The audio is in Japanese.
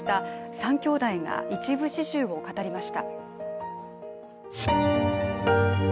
３きょうだいが一部始終を語りました。